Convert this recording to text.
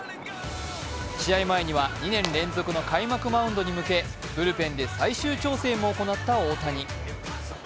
試合前には２年連続の開幕マウンドに向けブルペンで最終調整も行った大谷。